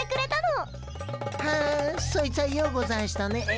はぁそいつぁようござんしたね。